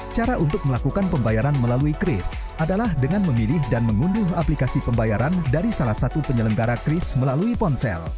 cara untuk melakukan pembayaran melalui kris adalah dengan memilih dan mengunduh aplikasi pembayaran dari salah satu penyelenggara kris melalui ponsel